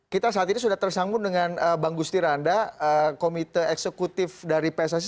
kita saat ini sudah tersambung dengan bang gusti randa komite eksekutif dari pssi